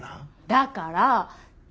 だから。